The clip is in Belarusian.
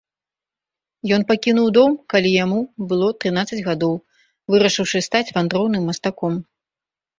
Ён пакінуў дом, калі яму было трынаццаць гадоў, вырашыўшы стаць вандроўным мастаком.